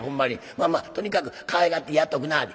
まあまあとにかくかわいがってやっておくんなはれ」。